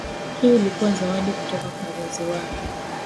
hiyo ilikuwa zawadi kutoka kwa wazazi wake